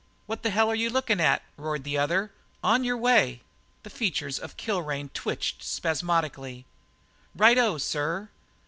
"What the hell are you lookin' at?" roared the other. "On your way!" The features of Kilrain twitched spasmodically. "Righto, sir."